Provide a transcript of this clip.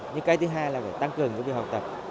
nhưng cái thứ hai là phải tăng cường cho việc học tập